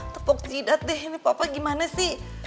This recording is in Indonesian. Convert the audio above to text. tepuk jidat deh ini papa gimana sih